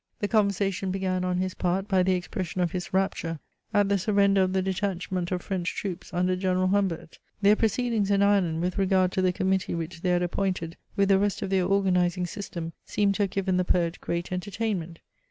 The conversation began on his part by the expression of his rapture at the surrender of the detachment of French troops under General Humbert. Their proceedings in Ireland with regard to the committee which they had appointed, with the rest of their organizing system, seemed to have given the poet great entertainment.